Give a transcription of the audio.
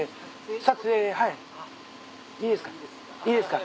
撮影はいいいですか？